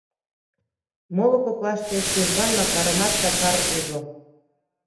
Моло коклаште Чужган Макарымат Сакар ужо.